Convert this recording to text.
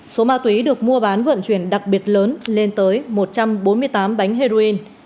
số ma túy được mua bán vận chuyển đặc biệt lớn lên tới một trăm bốn mươi tám bánh heroin